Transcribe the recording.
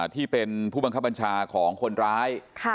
ที่เป็นผู้บังคับบัญชาของคนร้าย